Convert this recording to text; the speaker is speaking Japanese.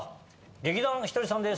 劇団ひとりさんです